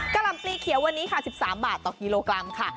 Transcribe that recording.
หล่ำปลีเขียววันนี้ค่ะ๑๓บาทต่อกิโลกรัมค่ะ